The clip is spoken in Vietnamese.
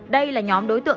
đây là nhóm đối tượng